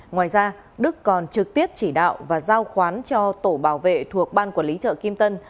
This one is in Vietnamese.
ngoài ra đức còn trực tiếp chỉ đạo và giao khoán cho tổ bảo vệ thuộc ban quản lý chợ kim tân